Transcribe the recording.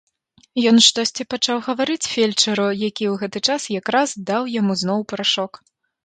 Ён штосьці пачаў гаварыць фельчару, які ў гэты час якраз даў яму зноў парашок.